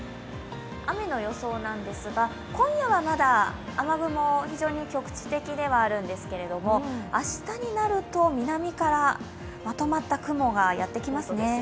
雨の予想なんですが、今夜はまだ雨雲、非常に局地的ではあるんですが明日になると南からまとまった雲がやってきますね。